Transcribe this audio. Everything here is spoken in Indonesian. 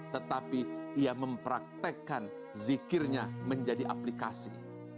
tetapi ia mempraktekkan zikirnya menjadi aplikasi